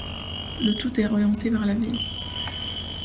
Le tout est orienté vers la ville.